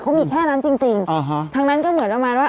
เขามีแค่นั้นจริงจริงอ่าฮะทั้งนั้นก็เหมือนประมาณว่า